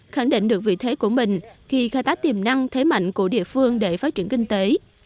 khẳng định được vị thế của mình khi khai tác tiềm năng thế mạnh của địa phương để phát triển kinh tế